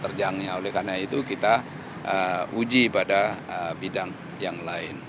terjangnya oleh karena itu kita uji pada bidang yang lain